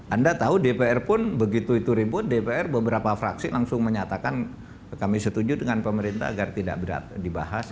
anda tahu dpr pun begitu itu ribut dpr beberapa fraksi langsung menyatakan kami setuju dengan pemerintah agar tidak berat dibahas